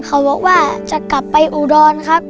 เขาบอกว่าจะกลับไปอุดรครับ